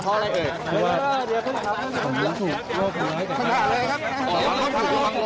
ผมถูกทำร้ายจากด้านหลัง